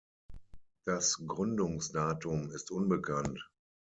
Das Gründungsdatum ist unbekannt.